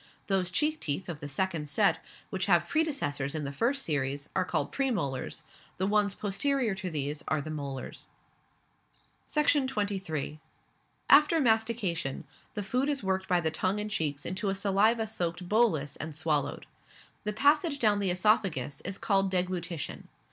Those cheek teeth of the second set, which have predecessors in the first series, are called premolars; the ones posterior to these are the molars. Section 23. After mastication, the food is worked by the tongue and cheeks into a saliva soaked "bolus" and swallowed. The passage down the oesophagus is called deglutition.